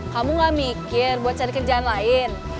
kamu gak mikir buat cari kerjaan lain